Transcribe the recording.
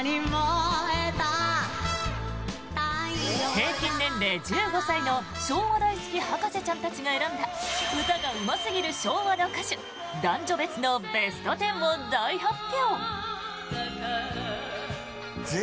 平均年齢１５歳の昭和大好き博士ちゃんたちが選んだ歌がうますぎる昭和の歌手男女別のベスト１０を大発表。